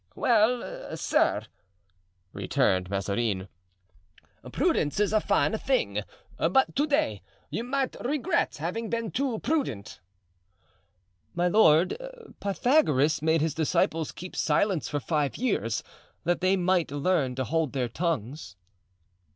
"Well, sir," returned Mazarin, "prudence is a fine thing, but to day you might regret having been too prudent." "My lord, Pythagoras made his disciples keep silence for five years that they might learn to hold their tongues."